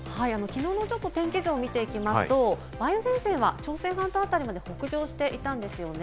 きのうの天気図を見ていきますと、梅雨前線は朝鮮半島あたりまで北上していたんですよね。